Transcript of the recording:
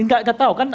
enggak enggak tahu kan